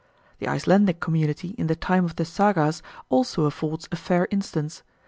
The Icelandic community in the time of the Sagas also affords a fair instance.